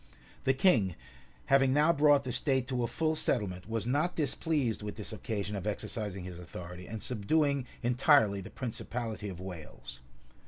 [*] The king, having now brought the state to a full settlement, was not displeased with this occasion of exercising his authority, and subduing entirely the principality of Wales.